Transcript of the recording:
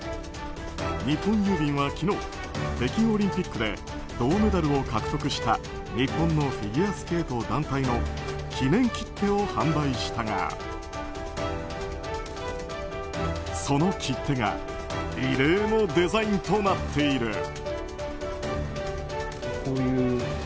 日本郵便は昨日北京オリンピックで銅メダルを獲得した日本のフィギュアスケート団体の記念切手を販売したがその切手が異例のデザインとなっている。